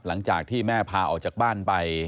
หลังจากที่แม่พาออกจากบ้านไป